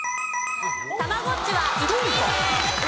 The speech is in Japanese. たまごっちは１位です。